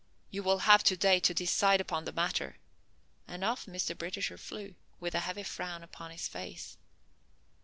You will have to day to decide upon the matter," and off Mr. Britisher flew, with a heavy frown upon his face.